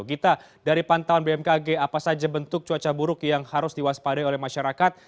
gita dari pantauan bmkg apa saja bentuk cuaca buruk yang harus diwaspadai oleh masyarakat